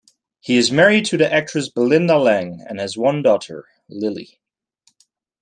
He is married to the actress Belinda Lang and has one daughter, Lily.